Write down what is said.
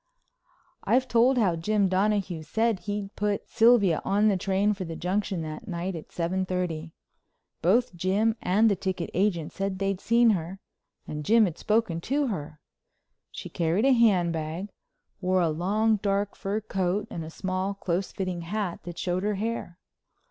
I've told how Jim Donahue said he put Sylvia on the train for the Junction that night at seven thirty. Both Jim and the ticket agent said they'd seen her and Jim had spoken to her. She carried a hand bag, wore a long dark fur coat and a small close fitting hat that showed her hair.